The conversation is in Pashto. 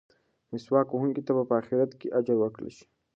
مسواک وهونکي ته به په اخرت کې اجر ورکړل شي.